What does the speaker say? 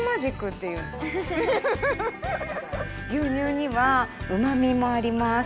牛乳にはうまみもあります。